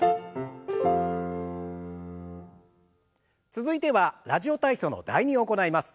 続いては「ラジオ体操」の第２を行います。